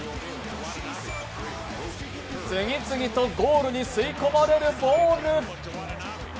次々とゴールに吸い込まれるボール。